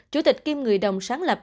chủ tịch kim người đồng sáng lập